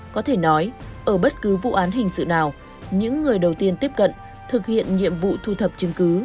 có thể nói ở bất cứ vụ án hình sự nào những người đầu tiên tiếp cận thực hiện nhiệm vụ thu thập chứng cứ